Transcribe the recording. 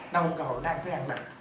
nó không có cơ hội nó ăn thứ ăn đặc